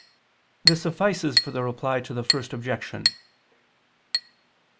This suffices for the Reply to the First Objection.